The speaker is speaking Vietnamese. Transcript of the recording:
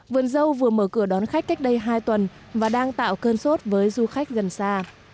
vườn dâu vừa mở cửa đón khách cách đây hai tuần và đang tạo cơn sốt với du khách gần xa